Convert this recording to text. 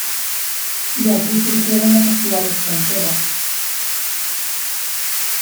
De aquí surgieron las actuales fronteras.